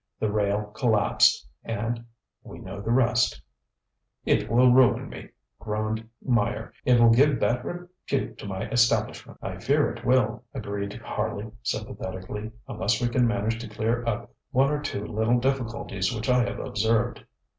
The rail collapsed, and we know the rest. ŌĆØ ŌĆ£It will ruin me, ŌĆØ groaned Meyer; ŌĆ£it will give bad repute to my establishment. ŌĆØ ŌĆ£I fear it will, ŌĆØ agreed Harley sympathetically, ŌĆ£unless we can manage to clear up one or two little difficulties which I have observed.